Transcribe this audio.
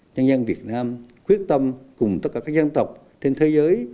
nhân dân việt nam quyết tâm cùng tất cả các dân tộc trên thế giới